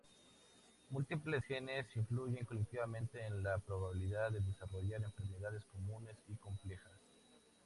Múltiples genes influyen colectivamente en la probabilidad de desarrollar enfermedades comunes y complejas.